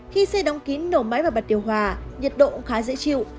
khi xe đóng kín nổ máy và bật điều hòa nhiệt độ cũng khá dễ chịu